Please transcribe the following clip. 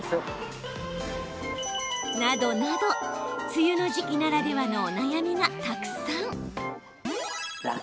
梅雨の時期ならではのお悩みがたくさん。